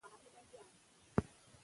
موږ په خپلو خلکو او کلتور ویاړو.